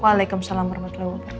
waalaikumsalam warahmatullahi wabarakatuh